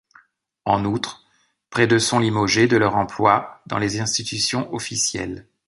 En outre, près de sont limogés de leurs emplois dans les institutions officielles.